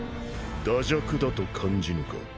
惰弱だと感じぬか？